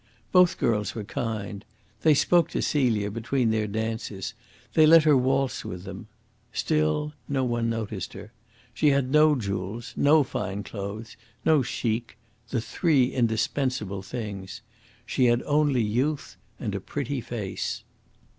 Both girls were kind. They spoke to Celia between their dances. They let her waltz with them. Still no one noticed her. She had no jewels, no fine clothes, no CHIC the three indispensable things. She had only youth and a pretty face.